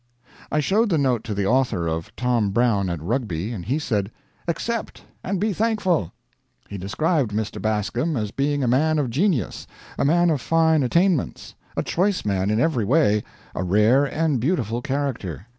I showed the note to the author of "Tom Brown at Rugby," and he said: "Accept, and be thankful." He described Mr. Bascom as being a man of genius, a man of fine attainments, a choice man in every way, a rare and beautiful character.